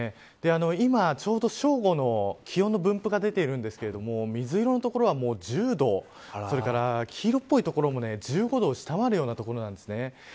今ちょうど正午の気温の分布が出ているんですけれども水色の所は１０度それから黄色っぽい所も１５度を下回るような所なんです。